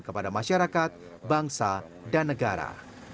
kepada masyarakat bangsa dan negara